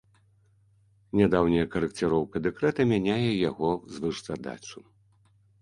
Нядаўняя карэкціроўка дэкрэта мяняе яго звышзадачу.